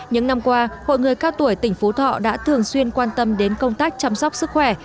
những năm qua hội người cao tuổi tỉnh phú thọ đã thường xuyên quan tâm đến công tác chăm sóc sức khỏe